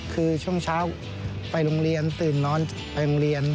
คือช่วงเช้าไปโรงเรียนตื่นนอนไปโรงเรียน